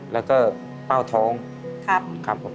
แล้วก็เป้าท้องครับผม